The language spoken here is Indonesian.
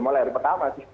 mulai dari pertama sih